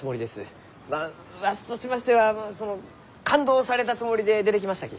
まあわしとしましては勘当されたつもりで出てきましたき。